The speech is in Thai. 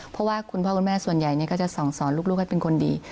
เพราะว่าคุณพ่อคุณแม่ส่วนใหญ่ก็จะส่องสอนลูกให้เป็นคนดี